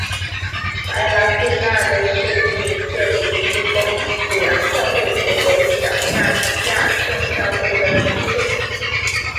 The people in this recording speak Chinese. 白郎弟娜的事迹见于一封里昂教会写给小亚细亚众教会的书信。